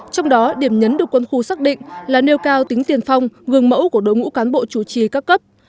trong đó điểm nhấn được quân khu xác định là nêu cao tính tiền phong gương mẫu của đội ngũ cán bộ chủ trì các cấp